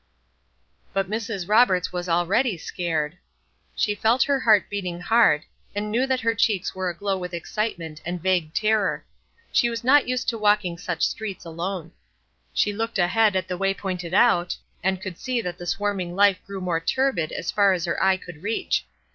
But Mrs. Roberts was already "scared." She felt her heart beating hard, and knew that her cheeks were aglow with excitement and vague terror. She was not used to walking such streets alone. She looked ahead at the way pointed out, and could see that the swarming life grew more turbid as far as her eye could reach.